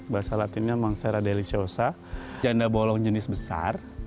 bahasa latinnya monstera deliciosa janda bolong jenis besar